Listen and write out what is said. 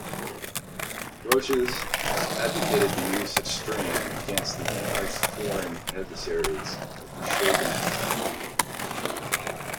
Roches advocated the use of strength against the anti-foreign adversaries of the Shogunate.